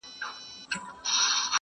يو وار ئې زده که بيا ئې در کوزده که.